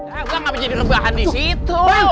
ah gue gak bisa jadi rebahan di situ